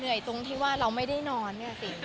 ตรงที่ว่าเราไม่ได้นอนเนี่ยสิ